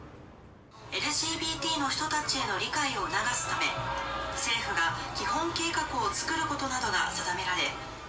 ＬＧＢＴの人たちへの理解を促すため、政府が基本計画を作ることなどが定められ。